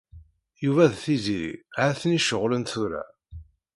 Yuba d Tiziri ha-ten-i ceɣlen tura.